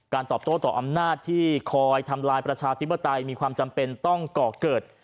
ตอบโต้ต่ออำนาจที่คอยทำลายประชาธิปไตยมีความจำเป็นต้องก่อเกิด